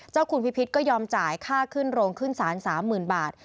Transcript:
คุณพิพิษก็ยอมจ่ายค่าขึ้นโรงขึ้นศาล๓๐๐๐บาท